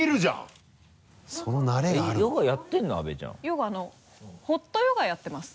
ヨガホットヨガやってます。